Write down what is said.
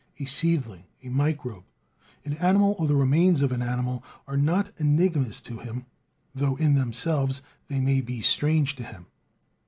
A seedling, a microbe, an animal or the remains of an animal, are not enigmas to him, though in themselves they may be strange to him.